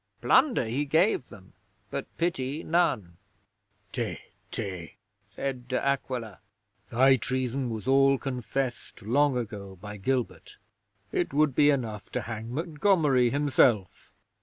Plunder he gave them, but pity, none. '"Té! Té!" said De Aquila. "Thy treason was all confessed long ago by Gilbert. It would be enough to hang Montgomery himself."